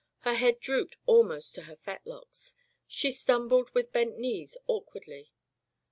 Her head drooped almost to her fetlocks. She stumbled with bent knees awkwardly.